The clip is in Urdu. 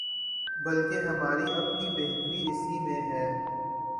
بلکہ ہماری اپنی بہتری اسی میں ہے۔